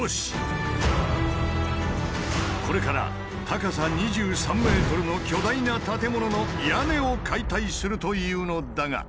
これから高さ２３ｍの巨大な建物の「屋根」を解体するというのだが。